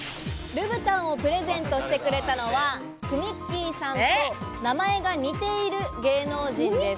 ルブタンをプレゼントしてくれたのはくみっきーさんと名前が似ている芸能人です。